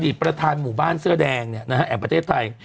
ประธานหมู่บ้านเสื้อแดงแห่งประเทศไทย